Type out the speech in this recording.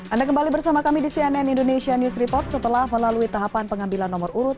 anda kembali bersama kami di cnn indonesia news report setelah melalui tahapan pengambilan nomor urut